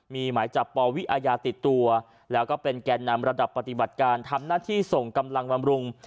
มีหมายจับปวิอาญาติดตัวแล้วก็เป็นแก่นำระดับปฏิบัติการทำหน้าที่ส่งกำลังบำรุง